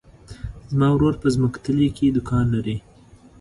زما ورور په ځمکتلي کې دوکان لری.